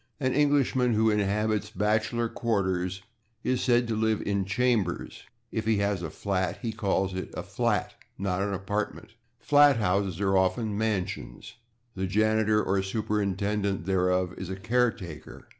An Englishman who inhabits bachelor quarters is said to live in /chambers/; if he has a flat he calls it a /flat/, and not an /apartment/; /flat houses/ are often /mansions/. The janitor or superintendent thereof is a /care taker